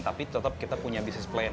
tapi tetap kita punya bisnis plan